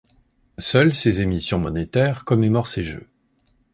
Seules ses émissions monétaires commémorent ces jeux.